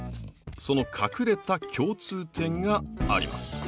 その隠れた共通点があります。